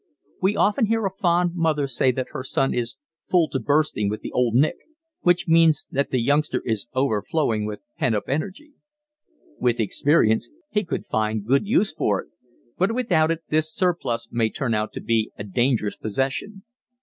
We often hear a fond mother say that her son is full to bursting with the old nick, which means that the youngster is overflowing with pent up energy. With experience he could find good use for it but without it this surplus may turn out to be a dangerous possession.